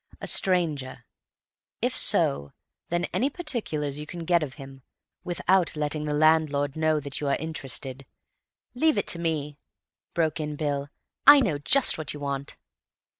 A stranger. If so, then any particulars you can get of him, without letting the landlord know that you are interested—" "Leave it to me," broke in Bill. "I know just what you want."